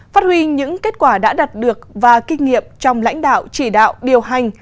phát huy những kết quả đã đạt được và kinh nghiệm trong lãnh đạo chỉ đạo điều hành